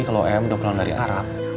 kalau m udah pulang dari arab